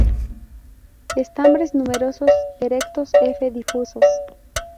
Estambres numerosos, erectos, f difusos.